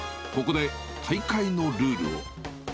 と、ここで大会のルールを。